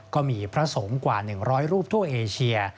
ก็มีพระสงฆ์กว่า๑๐๐รูปทั่วเอเชีย